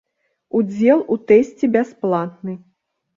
Удзел у тэсце бясплатны.